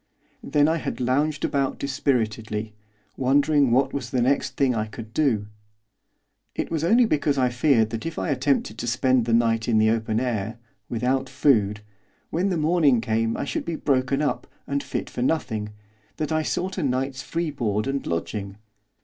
Then I had lounged about dispiritedly, wondering what was the next thing I could do. It was only because I feared that if I attempted to spend the night in the open air, without food, when the morning came I should be broken up, and fit for nothing, that I sought a night's free board and lodging.